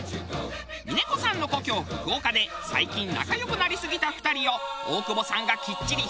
峰子さんの故郷福岡で最近仲良くなりすぎた２人を大久保さんがきっちり引き締め直す！